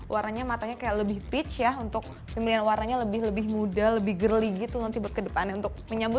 warnanya matanya kayak lebih peach ya untuk pilihan warnanya lebih muda lebih girly gitu nanti ke depannya untuk menyebut dua ribu dua puluh dua